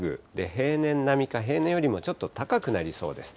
平年並みか平年よりもちょっと高くなりそうです。